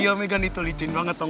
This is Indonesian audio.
iya megan itu belicing banget